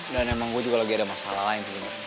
dan emang gue juga lagi ada masalah lain sebenernya